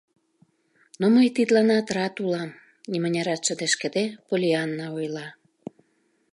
Но мый тидланат рат улам, — нимынярат шыдешкыде Поллианна ойла.